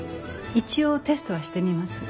一応テストはしてみます。